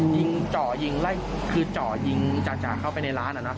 ยิงเจาะยิงไล่คือเจาะยิงจ่าเข้าไปในร้านอะนะ